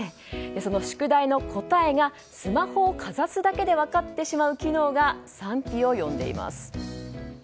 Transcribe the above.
その宿題の答えがスマホをかざすだけで分かってしまう機能が賛否を呼んでいます。